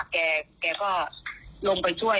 แกก็ลงไปช่วย